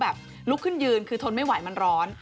แล้วน้องเขาลุกขึ้นยืนคือทนไม่ไหวมันร้อน